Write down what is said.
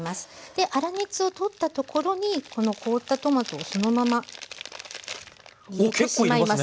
で粗熱を取ったところにこの凍ったトマトをそのまま入れてしまいます。